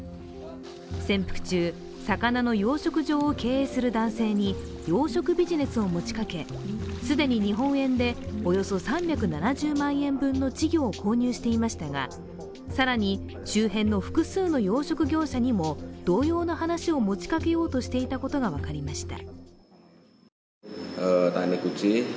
潜伏中、魚の養殖場を経営する男性に養殖ビジネスを持ちかけ既に日本円でおよそ３７０万円分の稚魚を購入していましたが、更に周辺の複数の養殖業者にも同様の話を持ちかけようとしていたことが分かりました。